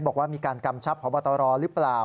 บอกว่ามีการกำชับพบตรหรือเปล่า